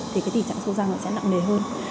thì cái tình trạng sâu răng nó sẽ nặng nề hơn